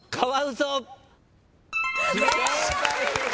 正解です。